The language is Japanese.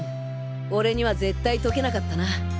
俺には絶対解けなかったな。